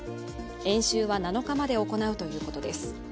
演習は７日まで行うということです